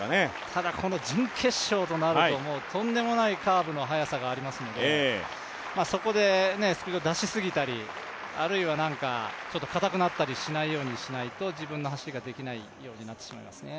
ただ、この準決勝となるととんでもないカーブの早さがありますのでそこでスピード出しすぎたりあるいは堅くなったりしないようにしないと自分の走りができないようになってしまいますね。